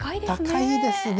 高いですね。